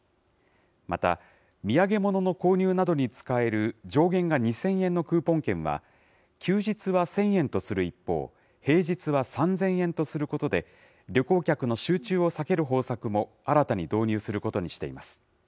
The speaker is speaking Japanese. また、土産物の購入などに使える上限が２０００円のクーポン券は、休日は１０００円とする一方、平日は３０００円とすることで、旅行客の集中を避ける方策も新たに導入することにしています。